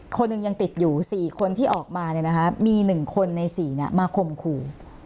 คนหนึ่งยังติดอยู่สี่คนที่ออกมาเนี้ยนะคะมีหนึ่งคนในสี่เนี้ยมาคมครู